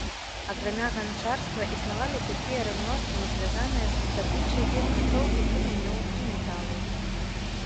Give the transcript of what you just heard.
Акрамя ганчарства існавалі такія рамёствы, звязаныя са здабычай і апрацоўкай камянёў і металаў.